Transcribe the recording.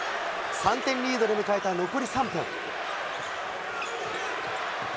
３点リードで迎えた残り３分。